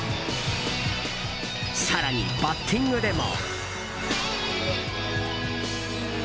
更にバッティングでも。